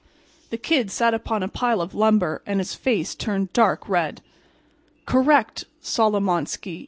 The Kid sat upon a pile of lumber and his face turned dark red. "Correct, Solomonski!"